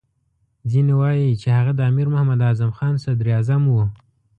ځینې وایي چې هغه د امیر محمد اعظم خان صدراعظم وو.